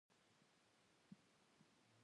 د نادریه لیسې اړخ ته و.